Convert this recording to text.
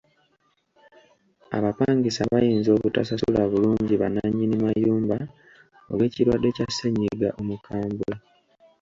Abapangisa bayinza obutasasula bulungi ba nannyini mayumba olw'ekirwadde kya ssennyiga omukambwe.